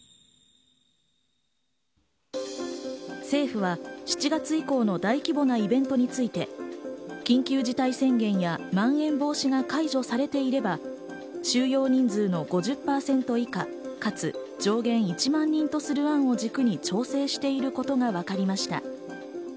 政府は７月以降の大規模なイベントについて緊急事態宣言や、まん延防止が解除されていれば収容人数の５０％以下かつ上限１万人とする案を軸に調整していることがわかりました。